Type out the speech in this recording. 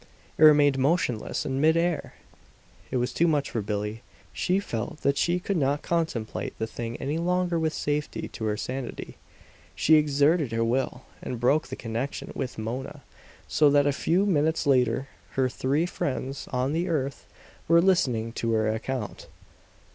It remained motionless in mid air! It was too much for Billie. She felt that she could not contemplate the thing any longer with safety to her sanity. She exerted her will, and broke the connection with Mona; so that a few minutes later her three friends on the earth were listening to her account.